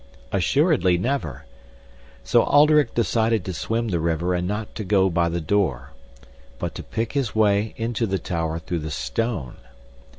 Assuredly never! So Alderic decided to swim the river and not to go by the door, but to pick his way into the tower through the stone.